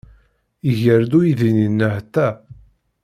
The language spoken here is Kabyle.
Iger-d uydi-nni nnehta.